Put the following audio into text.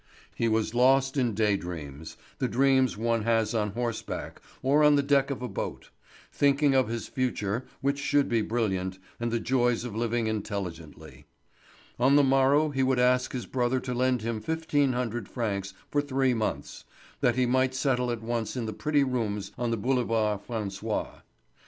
He was lost in day dreams, the dreams one has on horseback or on the deck of a boat; thinking of his future, which should be brilliant, and the joys of living intelligently. On the morrow he would ask his brother to lend him fifteen hundred francs for three months, that he might settle at once in the pretty rooms on the Boulevard François.